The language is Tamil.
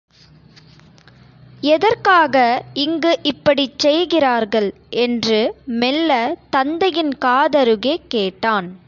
எதற்காக இங்கு இப்படிச் செய்கிறார்கள்? என்று மெல்ல தந்தையின் காதருகே கேட்டான்.